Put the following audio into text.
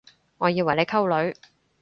我以為你溝女